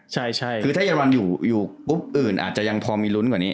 ใช่ใช่คือถ้าเยอรมันอยู่อยู่กรุ๊ปอื่นอาจจะยังพอมีรุ้นกว่านี้